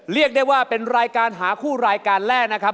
เรียกได้ว่าเป็นรายการหาคู่รายการแรกนะครับ